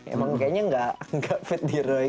emang kayaknya gak fit di roy